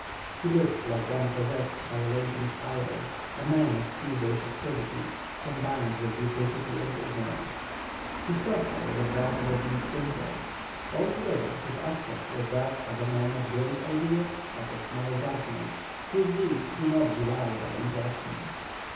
He looked like one possessed by a latent fire, a man of feverish activity, combined with duplicity and arrogance; his profile was that of a deep thinker. Altogether his aspect was that of a man of great ideas, but of small judgment; his deeds do not belie that impression.